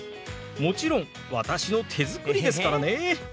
もちろん私の手作りですからね。